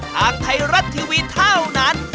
ทางไทยรัฐทีวีเท่านั้น